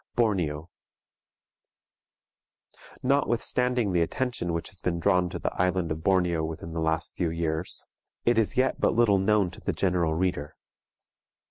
BORNEO. Notwithstanding the attention which has been drawn to the island of Borneo within the last few years, it is yet but little known to the general reader.